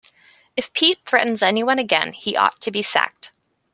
If Pete threatens anyone again he ought to be sacked.